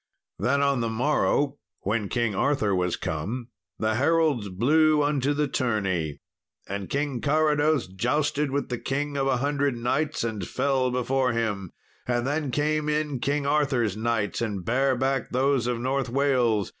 Then on the morrow, when King Arthur was come, the heralds blew unto the tourney. And King Carados jousted with the King of a Hundred Knights and fell before him, and then came in King Arthur's knights and bare back those of North Wales.